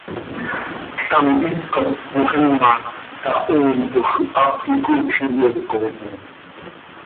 Ctam hipcop moxima tahoiitoj, hap quih coocj iyoocotim.